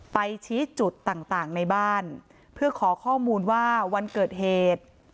ไปชี้จุดต่างต่างในบ้านเพื่อขอข้อมูลว่าวันเกิดเหตุ